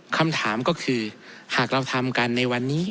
คำถามก็คือหากเราทำกันในวันนี้